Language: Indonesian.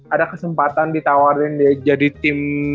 ada kesempatan ditawarin jadi tim